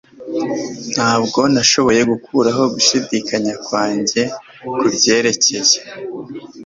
Ntabwo nashoboye gukuraho gushidikanya kwanjye kubyerekeye.